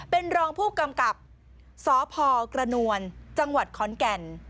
เป็นรองผู้กำกับสพกระนวลจังหวัดขอนแก่น